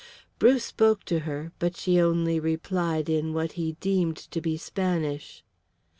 Bruce spoke to her, but she only replied in what he deemed to be Spanish.